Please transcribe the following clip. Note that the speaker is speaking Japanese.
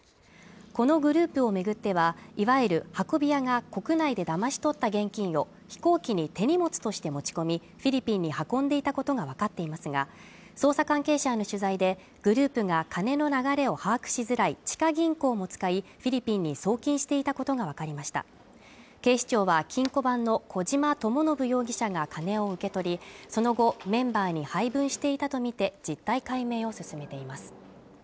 このグループを巡ってはいわゆる運び屋が国内でだまし取った現金を飛行機に手荷物として持ち込みフィリピンに運んでいたことが分かっていますが捜査関係者への取材でグループが金の流れを把握しづらい地下銀行も使いフィリピンに送金していたことが分かりました警視庁は金庫番の小島智信容疑者が金を受け取りその後メンバーに配分していたとみて実態解明を進めています